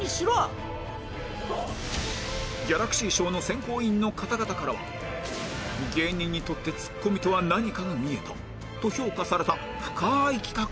ギャラクシー賞の選考委員の方々からは「芸人にとってツッコミとは何かが見えた」と評価された深い企画なんです